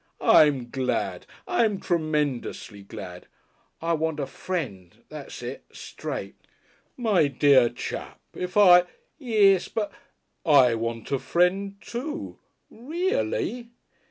"I'm glad. I'm tremendously glad." "I want a Friend. That's it straight." "My dear chap, if I " "Yes, but " "I want a Friend, too." "Reely?"